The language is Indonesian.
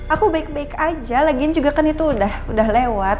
aku baik baik aja lagiin juga kan itu udah lewat